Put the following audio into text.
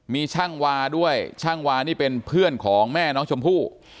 มีช่างวาด้วยช่างวานี่เป็นเพื่อนของแม่น้องชมพู่